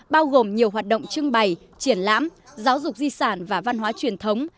bao gồm nhiều hoạt động trưng bày triển lãm giáo dục di sản và văn hóa truyền thống